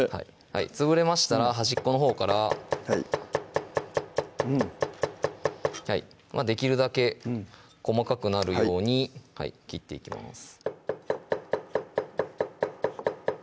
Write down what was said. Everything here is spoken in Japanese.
潰れましたら端っこのほうからできるだけ細かくなるように切っていきます